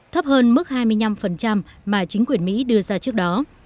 thấp hơn mức hai mươi năm mà chính quyền mỹ đưa ra trước đó